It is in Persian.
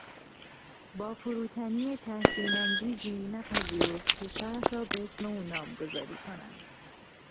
با فروتنی تحسین انگیزی نپذیرفت که شهر را به اسم او نامگذاری کنند